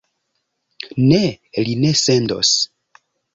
Ne, li ne sendos.